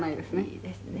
「いいですね